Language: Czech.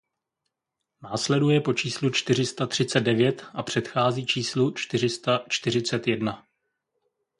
Následuje po číslu čtyři sta třicet devět a předchází číslu čtyři sta čtyřicet jedna.